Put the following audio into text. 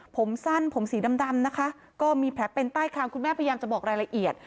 ผมสั้นผมสีดำนะคะก็มีแผลเป็นใต้คางคุณแม่พยายามจะบอกรายละเอียด